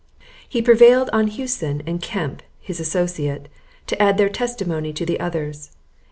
He prevailed on Hewson, and Kemp, his associate, to add their testimony to the others.